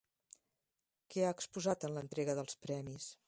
Què ha exposat en l'entrega de premis?